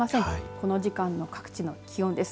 この時間の各地の気温です。